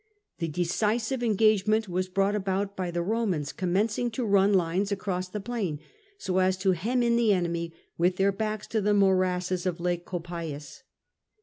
The decisive engagement was brought about by the Eomans commencing to run lines across the plain, so as to hem in the enemy with their backs to the morasses of Lake Copais.